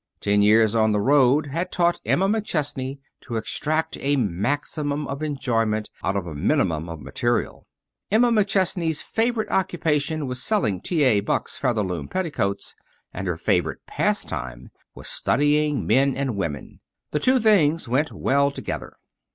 Ten years on the road had taught Emma McChesney to extract a maximum of enjoyment out of a minimum of material. Emma McChesney's favorite occupation was selling T. A. Buck's Featherloom Petticoats, and her favorite pastime was studying men and women. The two things went well together.